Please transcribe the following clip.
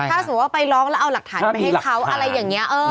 ถ้าสมมุติว่าไปร้องแล้วเอาหลักฐานไปให้เขาอะไรอย่างนี้